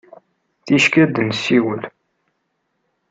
Ticki ad nessiwel.